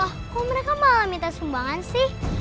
lah kok mereka malah minta sumbangan sih